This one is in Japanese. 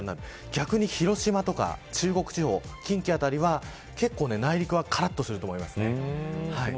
逆に広島とか中国地方近畿辺りは結構、内陸はからっとすると思います。